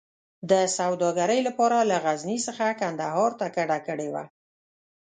د سوداګرۍ لپاره له غزني څخه کندهار ته کډه کړې وه.